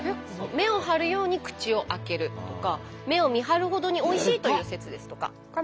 「目を張るように口を開ける」とか「目を見張るほどにおいしい」という説ですとか。